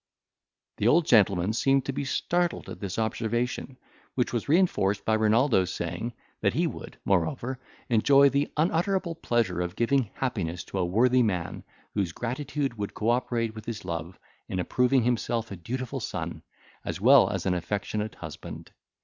The old gentleman seemed to be startled at this observation, which was reinforced by Renaldo's saying, that he would, moreover, enjoy the unutterable pleasure of giving happiness to a worthy man, whose gratitude would co operate with his love, in approving himself a dutiful son, as well as an affectionate husband.